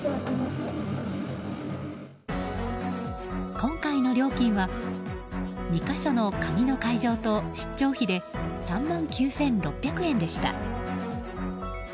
今回の料金は２か所の鍵の開錠と出張費で３万９６００円でした。